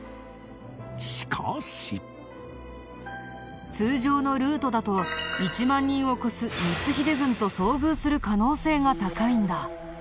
しかし通常のルートだと１万人を超す光秀軍と遭遇する可能性が高いんだ。